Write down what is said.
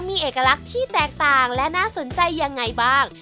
มีเอกลักษณ์ที่แตกต่างและน่าสนใจยังไงบ้าง